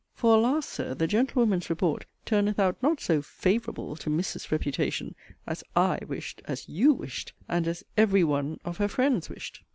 For, alas! Sir, the gentlewoman's report turneth out not so 'favourable' for Miss's reputation, as 'I' wished, as 'you' wished, and as 'every one' of her friends wished.